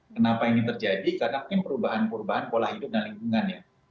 kenapa ini terjadi karena mungkin perubahan perubahan pola hidup dan lingkungan ya